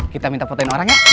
kita minta fotoin orang kan